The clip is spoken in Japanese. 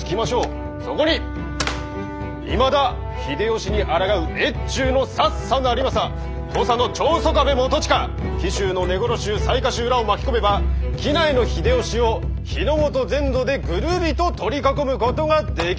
そこにいまだ秀吉にあらがう越中の佐々成政土佐の長宗我部元親紀州の根来衆雑賀衆らを巻き込めば畿内の秀吉を日ノ本全土でぐるりと取り囲むことができる。